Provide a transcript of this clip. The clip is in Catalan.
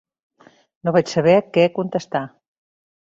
No vaig saber què contestar.